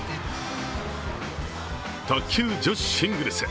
卓球・女子シングルス。